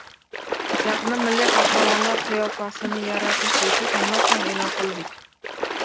Yaqinda milliy qahramonlar qiyofasini yaratish bo‘yicha tanlov ham e’lon qildik.